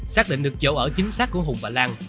xác định được chỗ ở chính xác của hùng và lan